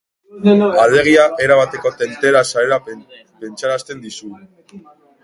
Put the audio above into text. Alegia, erabateko tentela zarela pentsarazten dizu.